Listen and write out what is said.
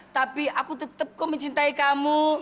tapi aku tetap kau mencintai kamu